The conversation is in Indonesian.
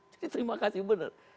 jadi terima kasih benar